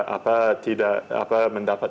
apa tidak mendapat